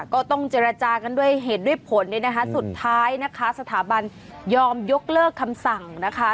ก็ต้องเจรจากันด้วยเหตุด้วยผลเนี่ยนะคะสุดท้ายนะคะสถาบันยอมยกเลิกคำสั่งนะคะ